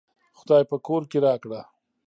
خداى په کور کې راکړه